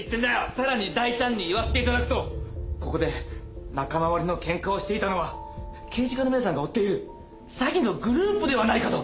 更に大胆に言わせていただくとここで仲間割れのけんかをしていたのは刑事課の皆さんが追っている詐欺のグループではないかと。